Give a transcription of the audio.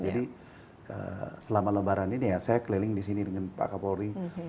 jadi selama lebaran ini ya saya keliling disini dengan pak kapolri